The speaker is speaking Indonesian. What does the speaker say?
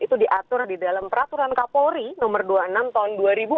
itu diatur di dalam peraturan kapolri no dua puluh enam tahun dua ribu enam